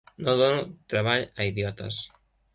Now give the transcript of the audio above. No dono treball a idiotes".